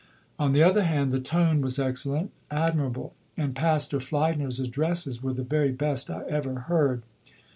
On the other hand "the tone was excellent, admirable. And Pastor Fliedner's addresses were the very best I ever heard.